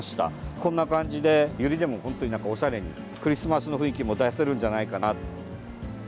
こんな感じでユリでもおしゃれにクリスマスの雰囲気を出せるんじゃないかなと。